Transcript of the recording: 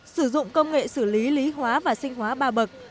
sử dụng công nghệ xử lý lý hóa và sinh hóa ba bậc